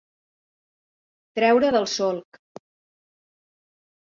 Treure del solc.